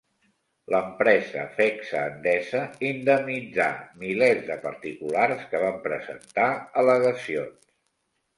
L'empresa Fecsa-Endesa indemnitzà milers de particulars que van presentar al·legacions.